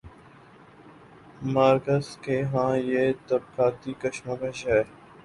Marks کے ہاں یہ طبقاتی کشمکش ہے۔